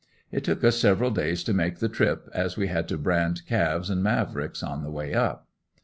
It took us several days to make the trip as we had to brand calves and Mavricks on the way up.